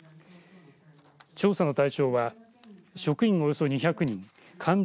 調査の対象は職員およそ２００人患者